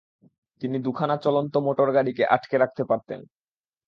তিনি দু'খানা চলন্ত মোটর গাড়ীকে আটকে রাখতে পারতেন।